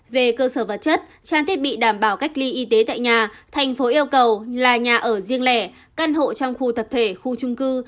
về cơ sở vật chất trang thiết bị đảm bảo cách ly y tế tại nhà thành phố yêu cầu là nhà ở riêng lẻ căn hộ trong khu tập thể khu trung cư